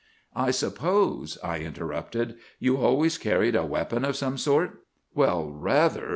"'I suppose,' I interrupted, 'you always carried a weapon of some sort!' "'Well, rather!